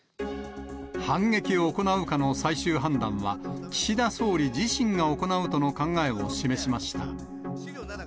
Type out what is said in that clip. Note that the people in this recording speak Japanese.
反撃を行うかの最終判断は、岸田総理自身が行うとの考えを示しました。